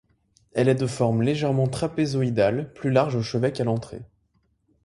Elle est de forme légèrement trapézoïdale, plus large au chevet qu'à l'entrée.